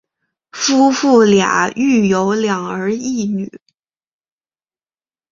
夫妇俩育有两儿一女。